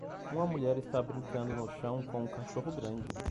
Uma mulher está brincando no chão com um cachorro grande.